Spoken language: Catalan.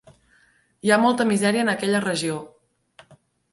Hi ha molta misèria en aquella regió.